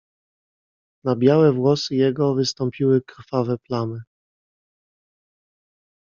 "Na białe włosy jego wystąpiły krwawe plamy."